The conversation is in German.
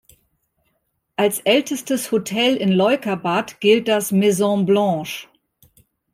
Als ältestes Hotel in Leukerbad gilt das "Maison Blanche".